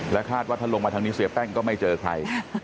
คาดว่าถ้าลงมาทางนี้เสียแป้งก็ไม่เจอใคร